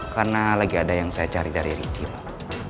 karena lagi ada yang saya cari dari riki pak